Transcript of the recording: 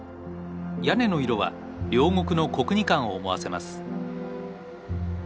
屋根の色は両国の国技館を思わせます。